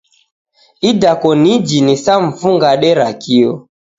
Idakoniji ni saa mfungade ra kio.